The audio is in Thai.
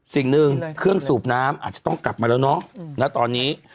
สิ่งหนึ่งเครื่องสูบน้ำอาจจะต้องกลับมาแล้วเนาะณตอนนี้